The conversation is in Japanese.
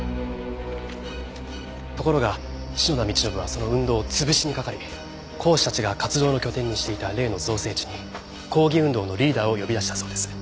ところが篠田道信はその運動を潰しにかかり講師たちが活動の拠点にしていた例の造成地に抗議運動のリーダーを呼び出したそうです。